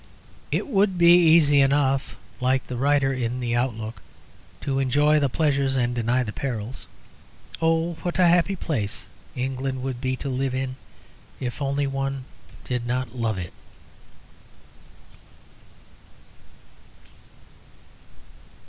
It would be easy enough, like the writer in the Outlook, to enjoy the pleasures and deny the perils. Oh what a happy place England would be to live in if only one did not love it!